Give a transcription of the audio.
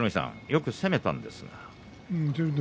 よく攻めたんですが。